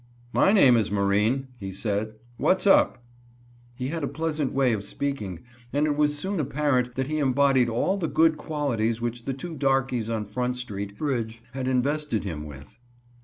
"My name is Marine," he said, "What's up?" He had a pleasant way of speaking, and it was soon apparent that he embodied all the good qualities which the two darkies on Front street bridge had invested him with.